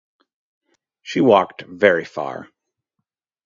She walked very far.